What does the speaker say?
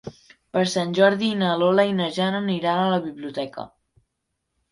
Per Sant Jordi na Lola i na Jana aniran a la biblioteca.